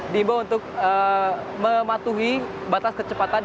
diimbau untuk mematuhi batas kecepatan